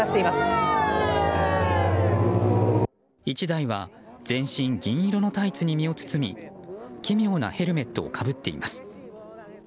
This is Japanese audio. １台は全身銀色のタイツに身を包み奇妙なヘルメットをかぶっています。